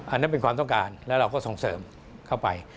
อันนั้นเป็นความต้องการแล้วเราก็ส่งเสริมเข้าไป